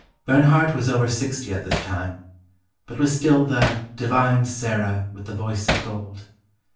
Bernhardt was over sixty at this time, but was still the "divine Sarah, with the voice of gold."